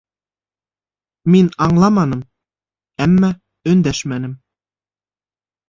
Миң аңламаным, әммә өндәшмәнем.